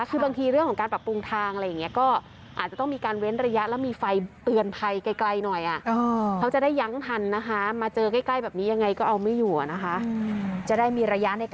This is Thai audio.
คือบางทีเรื่องการปรับปรุงทางอะไรอย่างนี้